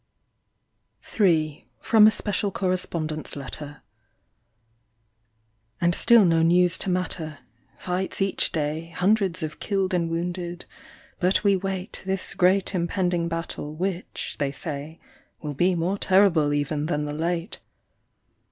III. â FROM A SPECIAL CORRESPONDENT'S LETTER. « « « « « " And still no news to matter. Fights each day ; Hundreds of killed and wounded ; but we wait This great impending battle which, they say, Will be more terrible even than the late.